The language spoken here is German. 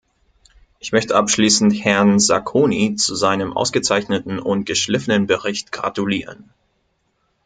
Ich möchte abschließend Herrn Sacconi zu seinem ausgezeichneten und geschliffenen Bericht gratulieren.